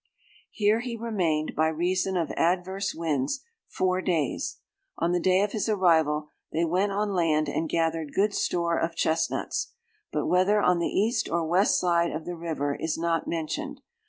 "Here he remained, by reason of adverse winds, four days. On the day of his arrival, 'they went on land and gathered good store of chestnuts;' but whether on the east or west side of the river, is not mentioned.